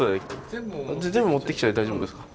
全部持ってきちゃって大丈夫ですか？